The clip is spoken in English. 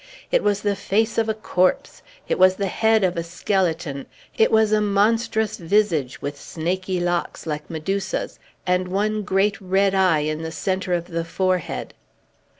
It was the face of a corpse; it was the head of a skeleton; it was a monstrous visage, with snaky locks, like Medusa's, and one great red eye in the centre of the forehead.